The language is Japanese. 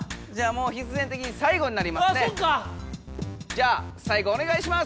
じゃあさい後おねがいします！